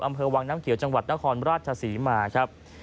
อำเภอวังน้ำเขียวจังหวัดนครราชศรีมาครับ